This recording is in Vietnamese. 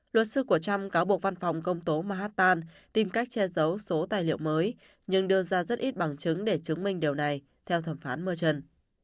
luật sư của trump cáo buộc văn phòng công tố mahatan tìm cách che giấu số tài liệu mới nhưng đưa ra rất ít bằng chứng để chứng minh điều này theo thẩm phán murchon